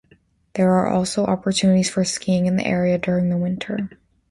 There are also opportunities for skiing in the area during the winter.